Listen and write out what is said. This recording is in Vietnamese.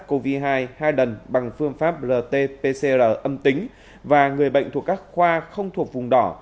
covid một mươi chín hai đần bằng phương pháp rt pcr âm tính và người bệnh thuộc các khoa không thuộc vùng đỏ